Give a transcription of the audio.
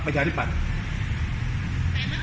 สมาชิกทัศน์ยังไม่ออกมาครับ